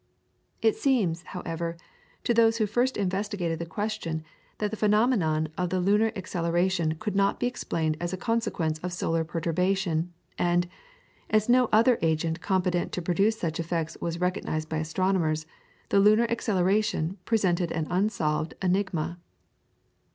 It seems, however, to those who first investigated the question that the phenomenon of the lunar acceleration could not be explained as a consequence of solar perturbation, and, as no other agent competent to produce such effects was recognised by astronomers, the lunar acceleration presented an unsolved enigma.